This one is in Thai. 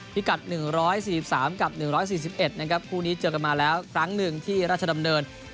พิกัด๑๔๓กับ๑๔๑นะครับคู่นี้เจอกันมาแล้วครั้งหนึ่งที่ราชดำเนิน